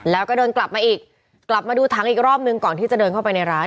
แล้วก็เดินกลับมาอีกกลับมาดูถังอีกรอบนึงก่อนที่จะเดินเข้าไปในร้าน